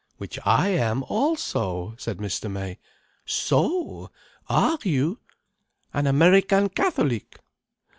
"Which I am also," said Mr. May. "So! Are you? An American Catholic?"